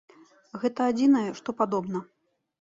Гэта адзінае, што падобна.